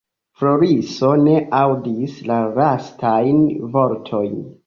Floriso ne aŭdis la lastajn vortojn.